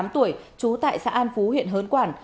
hai mươi tám tuổi trú tại xã an phú huyện hớn quản